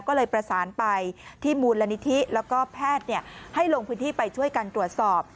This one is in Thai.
ก็เลยประสานไปที่มูลนิธิแล้วก็แพทย์ให้ลงพื้นที่ไปช่วยกันตรวจสอบ